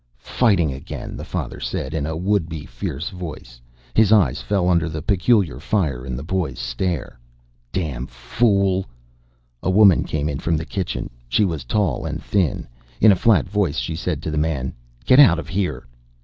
"Fighting again," the father said, in a would be fierce voice. His eyes fell under the peculiar fire in the boy's stare. "Damn fool " A woman came in from the kitchen. She was tall and thin. In a flat voice she said to the man: "Get out of here."